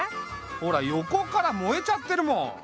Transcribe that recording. ほら横から燃えちゃってるもん。